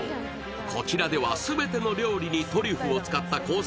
こちらでは全ての料理にトリュフを使ったコース